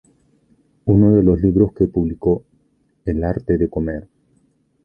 Uno de los libros que publicó "El arte de comer.